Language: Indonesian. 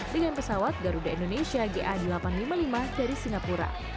dengan pesawat garuda indonesia ga delapan ratus lima puluh lima dari singapura